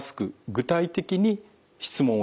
具体的に質問をする。